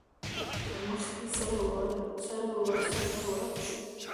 د مخکې سر ورڅخه ورک شو.